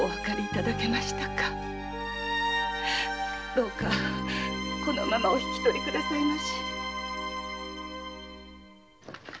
どうかこのままお引き取り下さいまし。